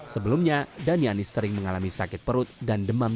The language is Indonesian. sebelumnya dhanianis sering mengalami sakit perut dan demam